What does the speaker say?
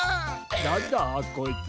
なんだこいつ？